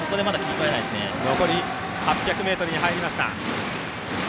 残り８００ｍに入りました。